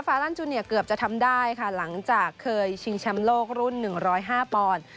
ลันจูเนียเกือบจะทำได้ค่ะหลังจากเคยชิงแชมป์โลกรุ่น๑๐๕ปอนด์